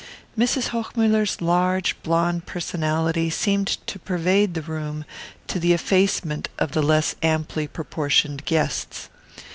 Mrs. Hochmuller's large blonde personality seemed to pervade the room to the effacement of the less amply proportioned guests.